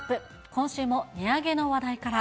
今週も値上げの話題から。